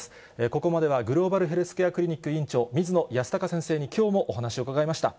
ここまではグローバルヘルスケアクリニック院長、水野泰孝先生に、きょうもお話を伺いました。